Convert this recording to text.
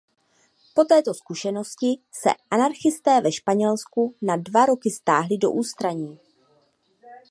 Po této zkušenosti se anarchisté ve Španělsku na dva roky stáhli do ústraní.